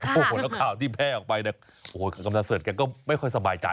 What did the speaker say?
แล้วข่าวที่แพร่ออกไปโอ้โหกำนันเสิร์ฟแกก็ไม่ค่อยสบายใจ